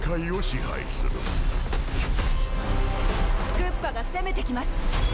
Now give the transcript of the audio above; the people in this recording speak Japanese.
クッパが攻めてきます。